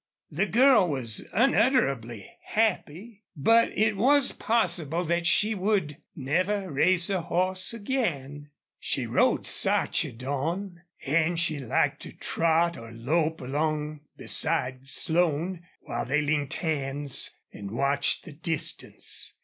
The girl was unutterably happy, but it was possible that she would never race a horse again. She rode Sarchedon, and she liked to trot or lope along beside Slone while they linked hands and watched the distance.